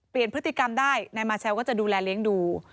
พฤติกรรมได้นายมาเชลก็จะดูแลเลี้ยงดู